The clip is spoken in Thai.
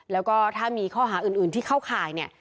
แล้วก็ถ้ามีข้อหาอื่นที่เข้าข่ายเนี่ย